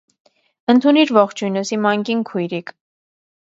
Ընդունիր ողջույնս, իմ անգին քույրիկ: